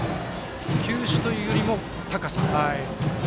球種というよりも高さ。